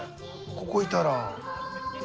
ここいたら。